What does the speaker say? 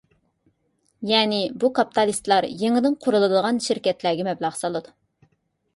يەنى، بۇ كاپىتالىستلار يېڭىدىن قۇرۇلىدىغان شىركەتلەرگە مەبلەغ سالىدۇ.